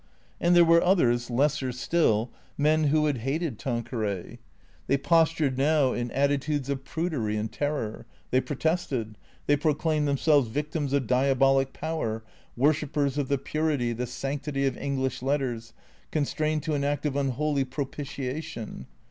And there were others, lesser still, men who had hated Tanqueray. They postured now in attitudes of prudery and terror ; they protested ; they proclaimed themselves victims of diabolic power, worshippers of the purity, the sanctity of English letters, constrained to an act of unholy propitiation.